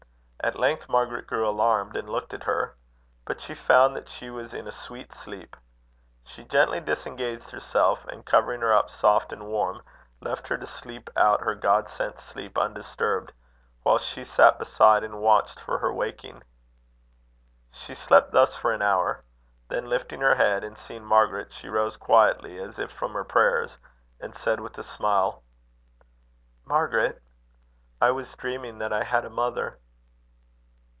At length Margaret grew alarmed, and looked at her. But she found that she was in a sweet sleep. She gently disengaged herself, and covering her up soft and warm, left her to sleep out her God sent sleep undisturbed, while she sat beside, and watched for her waking. She slept thus for an hour. Then lifting her head, and seeing Margaret, she rose quietly, as if from her prayers, and said with a smile: "Margaret, I was dreaming that I had a mother."